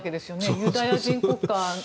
ユダヤ人国家。